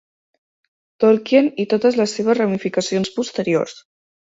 Tolkien i totes les seves ramificacions posteriors.